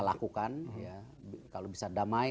lakukan kalau bisa damai